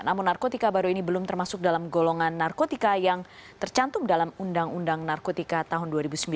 namun narkotika baru ini belum termasuk dalam golongan narkotika yang tercantum dalam undang undang narkotika tahun dua ribu sembilan